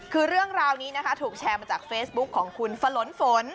คือเรื่องราวนี้นะคะถูกแชร์มาจากเฟซบุ๊คของคุณฝนลนฝน